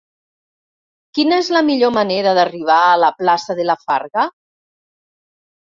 Quina és la millor manera d'arribar a la plaça de la Farga?